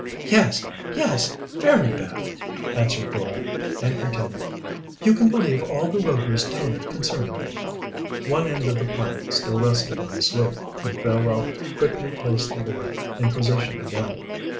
"Yes, yes; very bad!" answered Dora, and continued: "You can believe all the Rovers tell you concerning them." One end of the plank still rested on the sloop, and Fairwell quickly placed the board in position again.